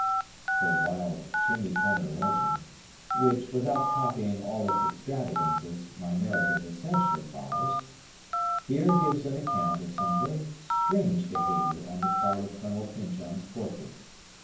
The wild, chimney corner legend (which, without copying all its extravagances, my narrative essentially follows) here gives an account of some very strange behavior on the part of Colonel Pyncheon's portrait.